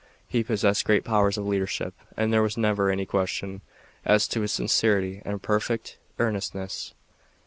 He possessed great powers of leadership and there was never any question as to his sincerity and perfect earnestness.